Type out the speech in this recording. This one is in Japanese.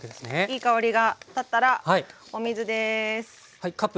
いい香りが立ったらお水です。